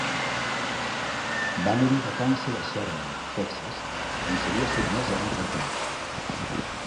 Va morir de càncer a Sherman, Texas, on s'havia sotmès a un tractament.